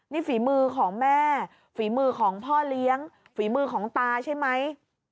นี่ฝีมือของแม่ฝีมือของพ่อเลี้ยงฝีมือของตาใช่ไหม